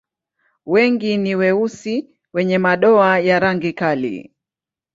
Wengi ni weusi wenye madoa ya rangi kali.